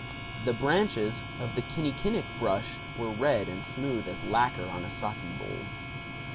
The branches of the kinnikinic brush were red and smooth as lacquer on a saki bowl.